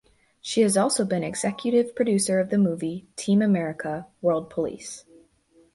She has also been executive producer of the movie, Team America, world police.